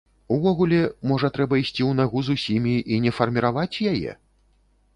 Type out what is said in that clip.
Увогуле, можа трэба ісці ў нагу з усімі і не фарміраваць яе?